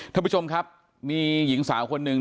ท่านผู้ชมครับมีหญิงสาวคนหนึ่ง